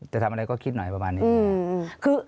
จะทำอะไรก็คิดหน่อยประมาณนี้